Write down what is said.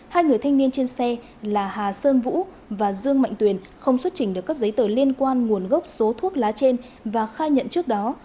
hai người thanh niên trên xe là hà sơn vũ và dương mạnh tuyền không xuất trình được các giấy tờ liên quan nguồn gốc số thuốc lá trên và khai nhận trước đó